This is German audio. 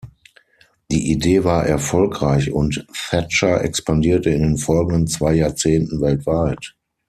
Die Idee war erfolgreich, und Thatcher expandierte in den folgenden zwei Jahrzehnten weltweit.